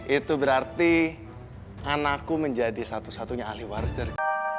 itu berarti anakku menjadi satu satunya ahli waris dari